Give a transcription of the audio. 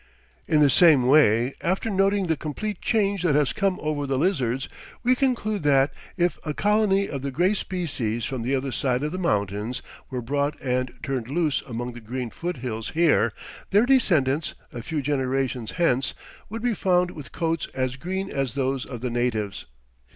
In the same way, after noting the complete change that has come over the lizards, we conclude that, if a colony of the gray species from the other side of the mountains were brought and turned loose among the green foot hills here, their descendants, a few generations hence, would be found with coats as green as those of the natives.